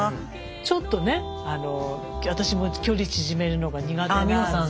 ちょっとね私も距離縮めるのが苦手なんで。